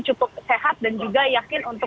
cukup sehat dan juga yakin untuk